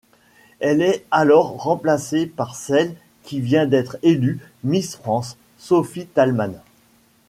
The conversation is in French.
Elle est alors remplacée par celle qui vient d'être élue Miss France, Sophie Thalmann.